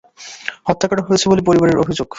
হত্যা করা হয়েছে বলে পরিবারের অভিযোগ।